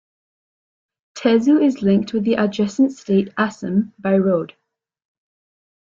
Tezu is linked with the adjacent state Assam by road.